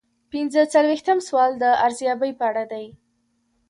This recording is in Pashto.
پنځه څلویښتم سوال د ارزیابۍ په اړه دی.